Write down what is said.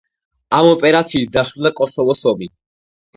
ამ ოპერაციით დასრულდა კოსოვოს ომი.